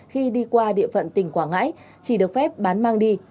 khi đi qua địa phận tỉnh quảng ngãi chỉ được phép bán mang đi